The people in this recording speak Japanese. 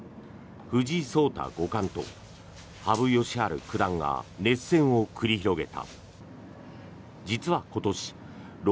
藤井聡太五冠と羽生善治九段が熱戦を繰り広げた。